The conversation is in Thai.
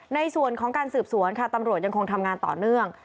ในส่วนของการสืบสวนค่ะตำรวจยังคงทำงานต่อเนื่อง